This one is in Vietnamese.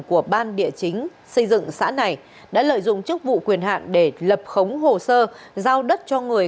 của ban địa chính xây dựng xã này đã lợi dụng chức vụ quyền hạn để lập khống hồ sơ giao đất cho người